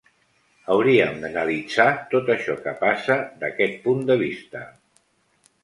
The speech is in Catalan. Hauríem d’analitzar tot això que passa d’aquest punt de vista.